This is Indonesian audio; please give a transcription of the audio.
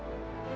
bu bu tolong bu